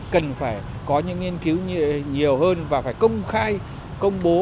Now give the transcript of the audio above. cần phải có những nghiên cứu nhiều hơn và phải công khai công bố